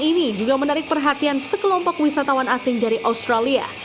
ini juga menarik perhatian sekelompok wisatawan asing dari australia